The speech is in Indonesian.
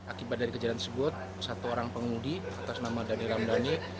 akibat dari kejadian tersebut satu orang pengemudi atas nama dhani ramdhani